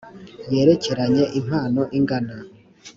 yerekeranye impano ingana